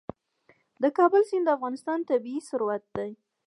د کابل سیند د افغانستان طبعي ثروت دی.